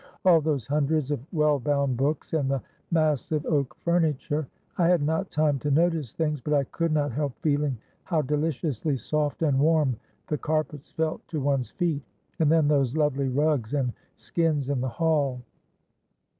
All those hundreds of well bound books, and the massive oak furniture. I had not time to notice things, but I could not help feeling how deliciously soft and warm the carpets felt to one's feet, and then those lovely rugs and skins in the hall."